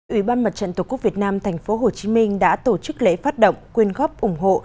ủy ban mặt trận tổ quốc việt nam tp hcm đã tổ chức lễ phát động quyên góp ủng hộ